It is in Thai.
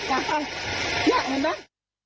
นะฮะเหี้ยเห็นมั้ย